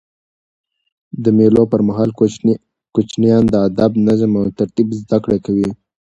د مېلو پر مهال کوچنيان د ادب، نظم او ترتیب زدهکړه کوي.